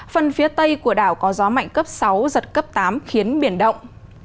phần phía tây của đảo có gió mạnh cấp sáu giật cấp tám khiến biển động